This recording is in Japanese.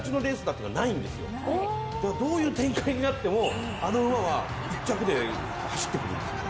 どういう展開になってもあの馬は１着で走ってくるんですよ。